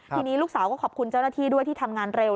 ทีนี้ลูกสาวก็ขอบคุณเจ้าหน้าที่ด้วยที่ทำงานเร็ว